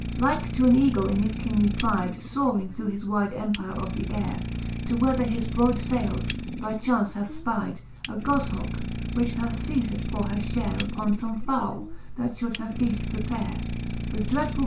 Like to an eagle in his kingly pride, Soring through his wide empire of the aire, To weather his brode failes, by chaunce hath fpide A goihauke, which hath feized for her fhare Uppon fbme fowle, that Ihould her feaft prepare \ With dreadful!